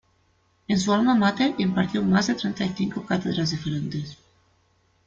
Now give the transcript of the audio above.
En su alma máter impartió más de treinta y cinco cátedras diferentes.